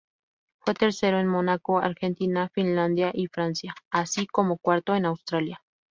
Fue tercero en Mónaco, Argentina, Finlandia y Francia, así como cuarto en Australia.